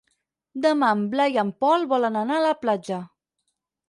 Demà en Blai i en Pol volen anar a la platja.